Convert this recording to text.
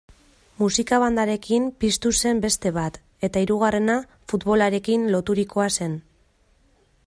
Musika-bandarekin piztu zen beste bat, eta hirugarrena futbolarekin loturikoa zen.